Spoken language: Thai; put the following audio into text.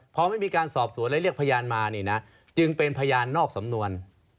พอไม่มีการสอบสวนและเรียกพยานมานี่นะจึงเป็นพยานนอกสำนวน